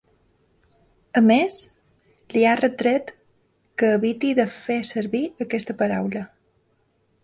A més, li ha retret que eviti de fer servir aquesta paraula.